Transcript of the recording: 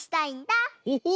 オホ